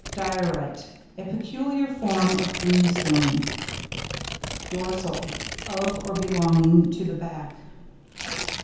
DIORITE.—A peculiar form of Greenstone. DORSAL.—Of or belonging to the back.